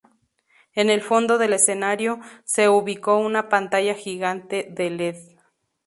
En el fondo del escenario, se ubicó una pantalla gigante de led.